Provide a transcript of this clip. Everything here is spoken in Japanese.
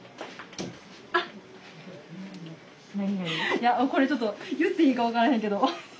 いやこれちょっと言っていいか分からへんけど。